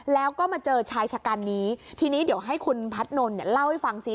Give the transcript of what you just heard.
แล้วก็มาเจอชายชะกันนี้ทีนี้เดี๋ยวให้คุณพัฒนนท์เนี่ยเล่าให้ฟังซิ